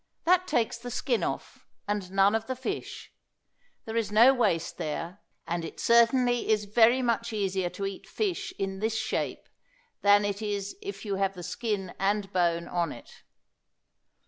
That takes the skin off, and none of the fish; there is no waste there, and it certainly is very much easier to eat fish in this shape than it is if you have the skin and bone on it.